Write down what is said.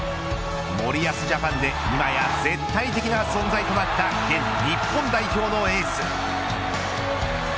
森保ジャパンで、今や絶対的な存在となった現日本代表のエース。